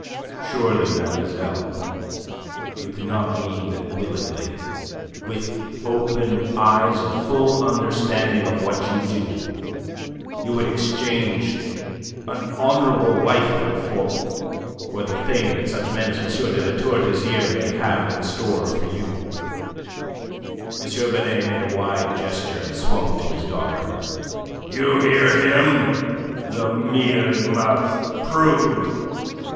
"Surely, mademoiselle, you cannot mean that willingly, with open eyes and a full understanding of what you do, you would exchange an honourable wifehood for... for the thing that such men as M. de La Tour d'Azyr may have in store for you?" M. Binet made a wide gesture, and swung to his daughter. "You hear him, the mealy mouthed prude!